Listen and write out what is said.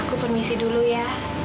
aku permisi dulu ya